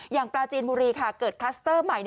อย่างปลาจีนบุรีก็เกิดคลัสเตอร์ใหม่